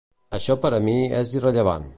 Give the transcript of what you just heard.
Això per a mi és irrellevant.